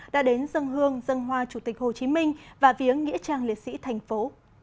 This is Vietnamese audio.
đã đến dân hương dân hoa chủ tịch hồ chí minh và viếng nghĩa trang liệt sĩ thành phố